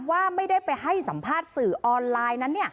ว่าไม่ได้ไปให้สัมภาษณ์สื่อออนไลน์นั้น